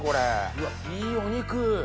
うわいいお肉！